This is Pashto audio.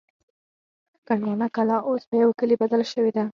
کنډواله کلا اوس په یوه کلي بدله شوې ده.